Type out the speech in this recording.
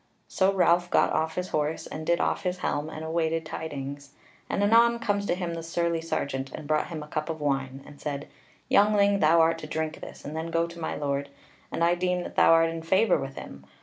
So Ralph got off his horse, and did off his helm and awaited tidings; and anon comes to him the surly sergeant, and brought him a cup of wine, and said: "Youngling, thou art to drink this, and then go to my Lord; and I deem that thou art in favour with him.